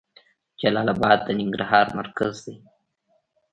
جلال اباد د ننګرهار مرکز ده.